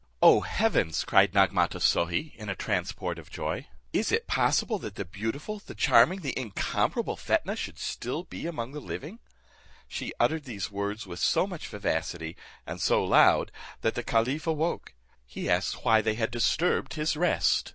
"O heavens!" cried Nagmatos Sohi, in a transport of joy, "is it possible, that the beautiful, the charming, the incomparable Fetnah should be still among the living?" She uttered these words with so much vivacity, and so loud, that the caliph awoke. He asked why they had disturbed his rest?